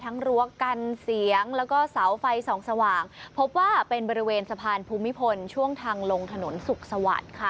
รั้วกันเสียงแล้วก็เสาไฟส่องสว่างพบว่าเป็นบริเวณสะพานภูมิพลช่วงทางลงถนนสุขสวรรค์ค่ะ